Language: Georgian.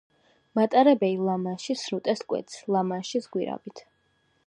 მატარებელი ლა-მანშის სრუტეს კვეთს ლა-მანშის გვირაბით.